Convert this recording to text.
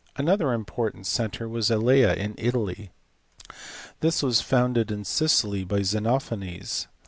Another important centre was at Elea in Italy. This was founded in Sicily by Xenophanes.